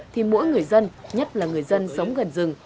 thì mỗi người dân nhất là người dân sống gần rừng